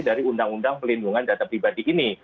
dari undang undang pelindungan data pribadi ini